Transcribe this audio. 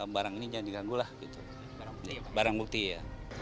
barang ini jangan diganggu lah gitu barang bukti ya